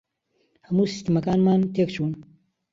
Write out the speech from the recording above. هەموو سیستەمەکانمان تێک چوون.